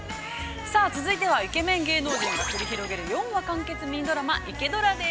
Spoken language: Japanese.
◆それでは、続いてはイケメン芸能人が繰り広げる、４話完結ミニドラマ「イケドラ」です。